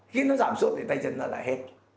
khi nó giảm suốt thì tay chân nó là hết